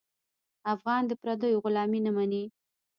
افغان د پردیو غلامي نه مني.